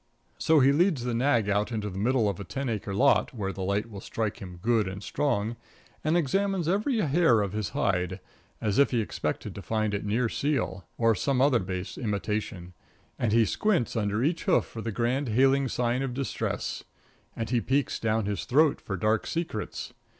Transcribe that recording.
So he leads the nag out into the middle of a ten acre lot, where the light will strike him good and strong, and examines every hair of his hide, as if he expected to find it near seal, or some other base imitation; and he squints under each hoof for the grand hailing sign of distress; and he peeks down his throat for dark secrets.